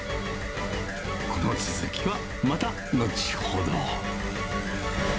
この続きはまた後ほど。